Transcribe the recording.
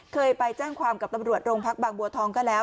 เคยไปแจ้งความกับตำรวจโรงพักบางบัวทองก็แล้ว